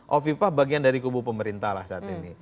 hovipa bagian dari kubu pemerintah lah saat ini